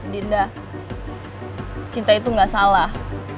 dinda cinta itu gak salah